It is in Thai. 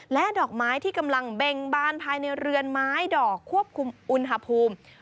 และดอกไม้ที่กำลังเบ่งบานภายในเรือนไม้ดอกควบคุมอุณหภูมิ